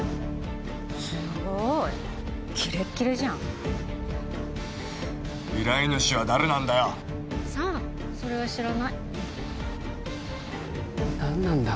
すごいキレッキレじゃん依頼主は誰なんだよさあそれは知らない何なんだ